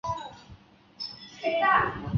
热尔人口变化图示